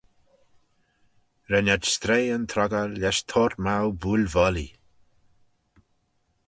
Ren ad stroie yn troggal lesh toyrt-mow booillvollee.